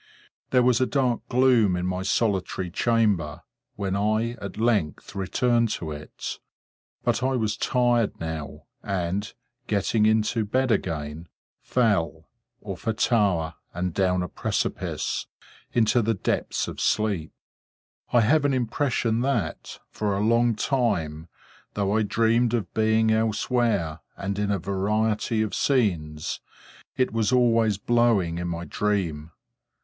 There was a dark gloom in my solitary chamber, when I at length returned to it; but I was tired now, and, getting into bed again, fell—off a tower and down a precipice—into the depths of sleep. I have an impression that, for a long time, though I dreamed of being elsewhere and in a variety of scenes, it was always blowing in my dream.